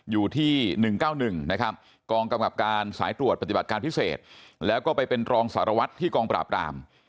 อยู่ที่๑๙๑นะครับกองกำกับการสายตรวจปฏิบัติการพิเศษแล้วก็ไปเป็นรองสารวัตรที่กองปราบราม